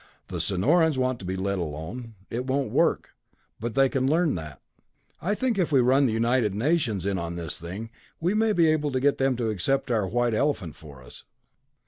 "The Sonorans want to be let alone; it won't work, but they can learn that. I think if we run the United Nations in on this thing, we may be able to get them to accept our white elephant for us.